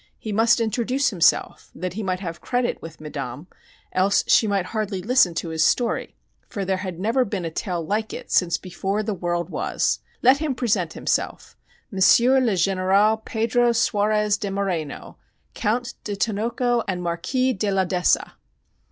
He must introduce himself that he might have credit with Madame, else she might hardly listen to his story, for there had never been a tale like it before since the world was. Let him present himself M. le Général Pedro Suarez de Moreno, Count de Tinoco and Marquis de la d'Essa.